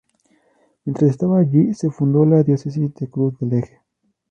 Mientras estaba allí se fundó la diócesis de Cruz del Eje.